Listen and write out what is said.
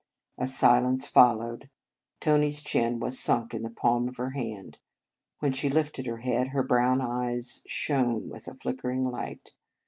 A silence followed. Tony s chin was sunk in the palm of her hand. When she lifted her head, her brown eyes shone with a flickering light.